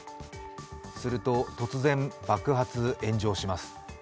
すると突然爆発・炎上します。